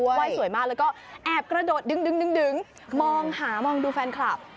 ไหว้สวยมากแล้วก็แอบกระโดดดึงมองหามองดูแฟนคลับ